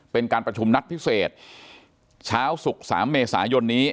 เป็นการประชุมนัดพิเศษเช้าศุกร์๓เมษายนนี้